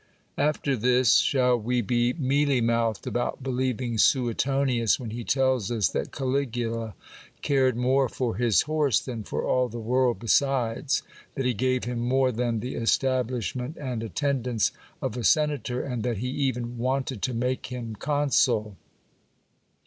After this shall we be mealy mouthed about believing Suetonius, when he tells us that Caligula cared more for his horse than for all the world besides, that he gave him more than the establishment and attendance of a senator, and that he even wanted to make him consul